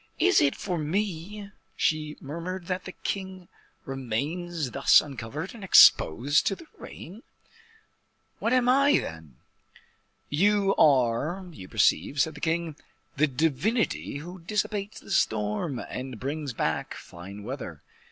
"Is it for me," she murmured, "that the king remains thus uncovered, and exposed to the rain? What am I, then?" "You are, you perceive," said the king, "the divinity who dissipates the storm, and brings back fine weather."